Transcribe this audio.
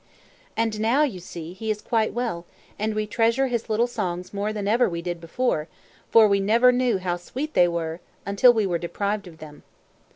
And now, you see, he is quite well, and we treasure his little songs more than ever we did before, for we never knew how sweet they were until we were deprived of them.